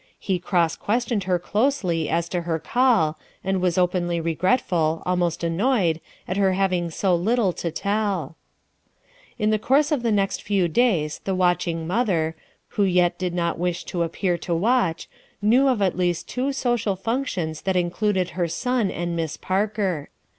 Ho crosa^questiontKl h er closely as to her call, and was openly regretful almost annoyed, at her having so little to (ell In the course of the next few days (lie Watching mother, who yet did not wish to appear to watch knew of at least two social functions that in cluded her son and Miss Parker.